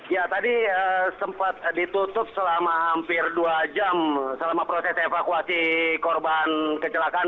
ya tadi sempat ditutup selama hampir dua jam selama proses evakuasi korban kecelakaan